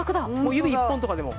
指一本とかでも。